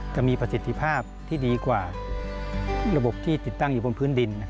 จะมีประสิทธิภาพที่ดีกว่าระบบที่ติดตั้งอยู่บนพื้นดิน